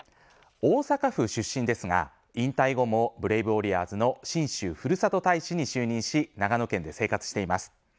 大阪府出身ですが、引退後もブレイブウォリアーズの信州ふるさと大使に就任し長野県で生活しています。